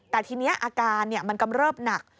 แต่ทีนี้อาการมันกำเริบหนัก